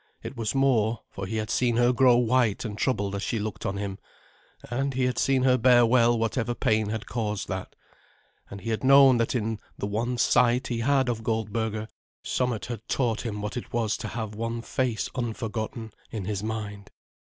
It was more, for he had seen her grow white and troubled as she looked on him, and he had seen her bear well whatever pain had caused that; and he had known that in the one sight he had of Goldberga somewhat had taught him what it was to have one face unforgotten in his mind.